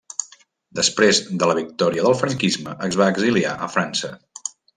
Després de la victòria del franquisme es va exiliar a França.